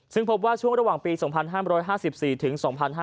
ซึ่งพบว่าช่วงระหว่างปี๒๕๕๔ถึง๒๕๕๙